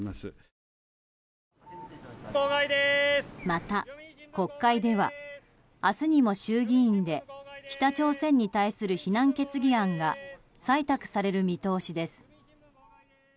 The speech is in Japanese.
また、国会では明日にも衆議院で北朝鮮に対する非難決議案が採択される見通しです。